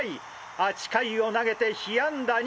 ８回を投げて被安打２！